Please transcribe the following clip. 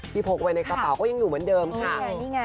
พกไว้ในกระเป๋าก็ยังอยู่เหมือนเดิมค่ะ